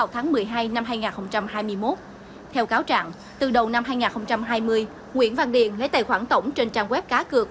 theo cáo trạng từ đầu năm hai nghìn hai mươi nguyễn văn điện lấy tài khoản tổng trên trang web cá cược